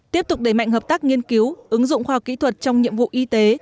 tiếp tục đẩy mạnh hợp tác nghiên cứu ứng dụng khoa học kỹ thuật trong nhiệm vụ y tế